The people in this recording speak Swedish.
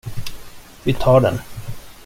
Vi tar den.